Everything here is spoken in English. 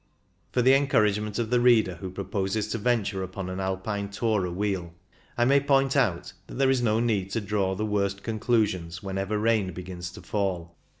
For the encouragement of the reader who proposes to venture upon an Alpine tour awheel, I may point out that there is no need to draw the worst conclusions whenever rain begins to fall.